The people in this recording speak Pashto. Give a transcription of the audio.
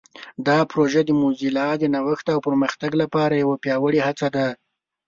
دا پروژه د موزیلا د نوښت او پرمختګ لپاره یوه پیاوړې هڅه ده.